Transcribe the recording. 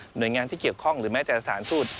โดยงานที่เกี่ยวข้องหรือแม้แต่สถานทูต